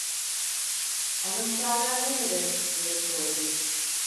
"Anahtarlar nerede?" diye sordum.